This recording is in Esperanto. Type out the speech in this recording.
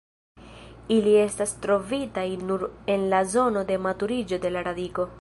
Ili estas trovitaj nur en la zono de maturiĝo de la radiko.